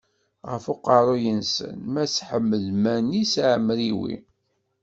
Ɣef uqerruy-nsen mass Ḥmed Manis Ɛemriwi.